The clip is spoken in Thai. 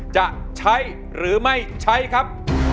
จะใช้หรือไม่ใช้ครับ